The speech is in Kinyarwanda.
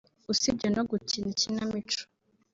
usibye no gukina ikinamico